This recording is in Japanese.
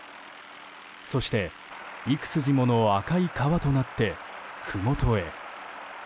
そして、幾筋もの赤い川となってふもとへ。